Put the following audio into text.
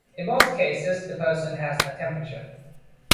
In most cases the person has a temperature.